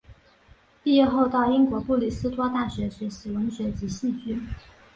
毕业后到英国布里斯托大学学习文学及戏剧。